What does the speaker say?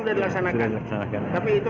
ya begitulah harapan rakyat kalimantan timur